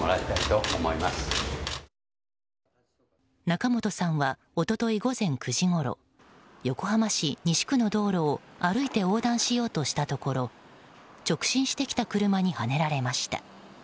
仲本さんは一昨日午前９時ごろ横浜市西区の道路を歩いて横断しようとしたところ直進してきた車にはねられました。